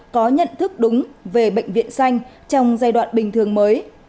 có nhận thức đúng về bệnh viện xanh trong giai đoạn bình thường mới